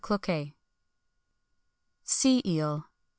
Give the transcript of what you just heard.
CLOQUET. SEA EEL.